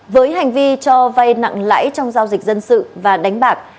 với hành vi cho vay nặng lãi trong giao dịch dân sự và đánh bạc